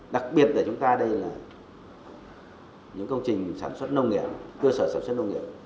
đặc biệt là chúng ta đây là những công trình sản xuất nông nghiệp cơ sở sản xuất nông nghiệp